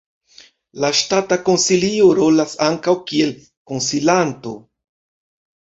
La Ŝtata Konsilio rolas ankaŭ kiel konsilanto.